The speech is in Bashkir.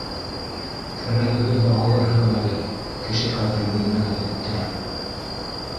Кәрәгегеҙҙе алырһығыҙ әле, кеше ҡәҙерен белмәгән эттәр!